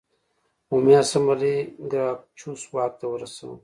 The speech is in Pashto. عمومي اسامبلې ګراکچوس واک ته ورساوه